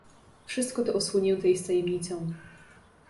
"Wszystko to osłonięte jest tajemnicą."